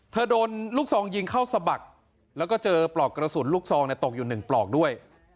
โดนลูกซองยิงเข้าสะบักแล้วก็เจอปลอกกระสุนลูกซองตกอยู่๑ปลอกด้วย